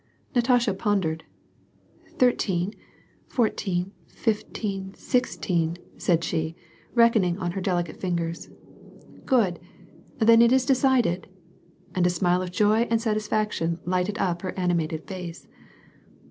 Natasha pondered. "Thirteen, fourteen, fifteen, sixteen," said she, reckoning on her delicate fingers. " Good 1 Then it is decided ?" And a smile of joy and satisfaction lighted up her animated face.